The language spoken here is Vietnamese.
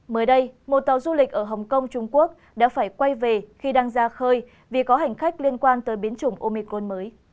mới đây một tàu du lịch ở hồng kông trung quốc đã phải quay về khi đang ra khơi vì có hành khách liên quan tới biến chủng omicon mới